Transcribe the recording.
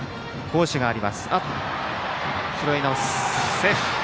セーフ。